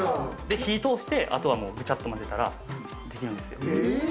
火通して、あとはぐちゃっと混ぜたら、できるんですよ。